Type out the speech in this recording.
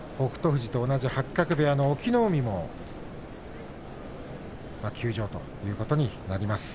富士と同じ八角部屋の隠岐の海も休場ということになります。